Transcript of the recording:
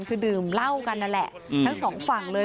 คือดื่มเหล้ากันนั่นแหละทั้งสองฝั่งเลย